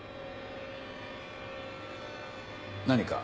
何か？